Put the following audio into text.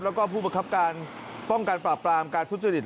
แล้วก็ผู้ประคับการป้องกันปราบปรามการทุจริต